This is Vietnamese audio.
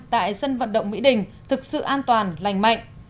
tại sân vận động mỹ đình thực sự an toàn lành mạnh